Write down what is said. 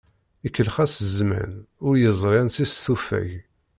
Ikellex-as zzman, ur yeẓri ansi s-tufeg.